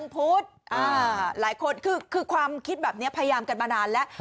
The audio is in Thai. พุทธหลายคนคือความคิดแบบนี้พยายามกันมานานแล้ว